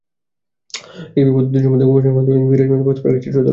TIB পদ্ধতিসম্মত গবেষণার মাধ্যমে বিরাজমান বাস্তবতার একটি চিত্র তুলে ধরেছে মাত্র।